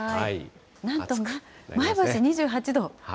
なんと前橋２８度。